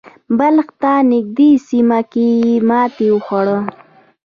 بلخ ته نږدې سیمه کې یې ماتې وخوړه.